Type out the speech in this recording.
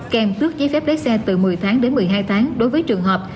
kèm tước giấy phép lái xe từ một mươi tháng đến một mươi hai tháng đối với trường hợp